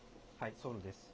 ソウルです。